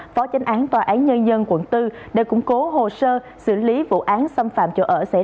phó tránh án tòa án nhân dân quận bốn đã củng cố hồ sơ xử lý vụ án xâm phạm chỗ ở xảy ra